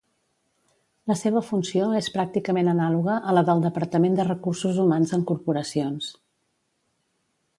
La seva funció és pràcticament anàloga a la del departament de recursos humans en corporacions.